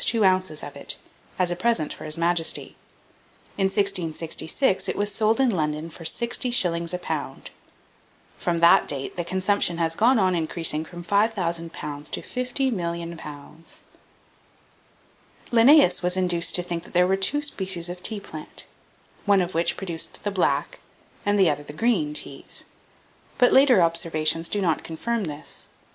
2 oz. of it, as a present for his majesty. In 1666 it was sold in London for sixty shillings a pound. From that date the consumption has gone on increasing from 5,000 lbs. to 50,000,000 lbs. 1794. Linnaeus was induced to think that there were two species of tea plant, one of which produced the black, and the other the green teas; but later observations do not confirm this.